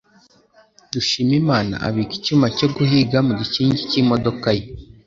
Dushimimana abika icyuma cyo guhiga mu gikingi cy'imodoka ye.